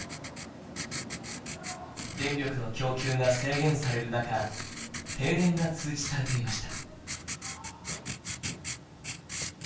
電力の供給が制限される中停電が通知されていました。